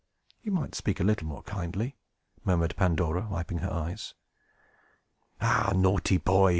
"You might speak a little more kindly!" murmured Pandora, wiping her eyes. "Ah, naughty boy!"